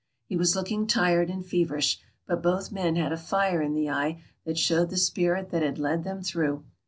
He was looking tired and feverish, but both men had a fire in the eye that showed the spirit that had led them through.